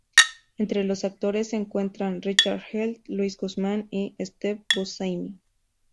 Entre los actores se encuentran Richard Hell, Luis Guzmán y Steve Buscemi.